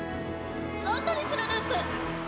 トリプルループ。